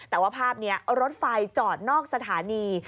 แต่ว่าภาพนี้รถไฟจอดนอกสถานี